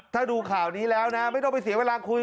ถ้าดูข่าวนี้แล้วนะไม่ต้องไปเสียเวลาคุย